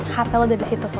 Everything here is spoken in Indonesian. haftal udah di situ bu